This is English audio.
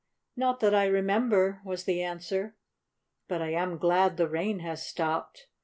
"Not that I remember," was the answer. "But I am glad the rain has stopped.